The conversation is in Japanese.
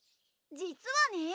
実はね